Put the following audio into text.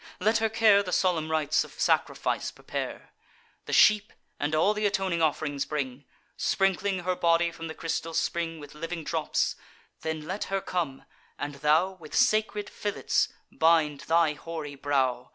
Let her care The solemn rites of sacrifice prepare; The sheep, and all th' atoning off'rings bring, Sprinkling her body from the crystal spring With living drops; then let her come, and thou With sacred fillets bind thy hoary brow.